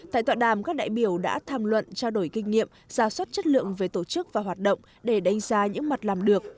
tại tọa đàm các đại biểu đã tham luận trao đổi kinh nghiệm ra soát chất lượng về tổ chức và hoạt động để đánh giá những mặt làm được